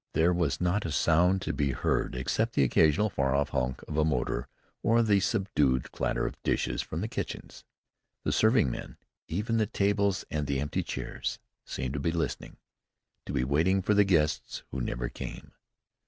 There was not a sound to be heard except the occasional far off honk of a motor or the subdued clatter of dishes from the kitchens. The serving men, even the tables and the empty chairs, seemed to be listening, to be waiting for the guests who never came.